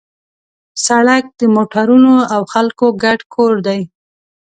سړک د موټرونو او خلکو ګډ کور دی.